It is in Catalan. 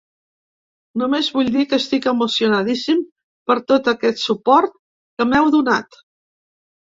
Només vull dir que estic emocionadíssim per tot aquest suport que m’heu donat.